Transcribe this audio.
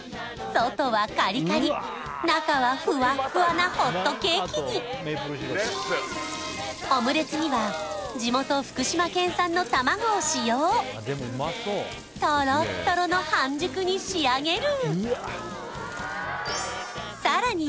外はカリカリ中はふわっふわなホットケーキにオムレツには地元福島県産の卵を使用トロットロの半熟に仕上げるさらに